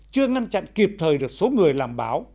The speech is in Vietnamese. chưa ngăn chặn kịp thời được số người làm báo